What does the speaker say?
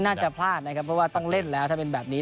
น่าจะพลาดนะครับเพราะว่าต้องเล่นแล้วถ้าเป็นแบบนี้